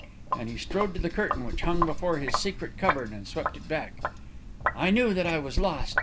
"And he strode to the curtain which hung before his secret cupboard and swept it back. "I knew that I was lost.